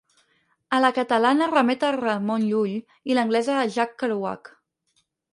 A la catalana remet a Ramon Llull i a l'anglesa a Jack Kerouac.